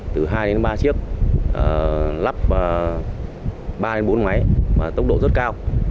từ hai đến ba chiếc lắp ba đến bốn máy mà tốc độ rất cao